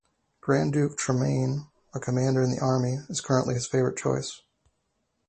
Grand Duke Tremane, a Commander in the Army, is currently his favorite choice.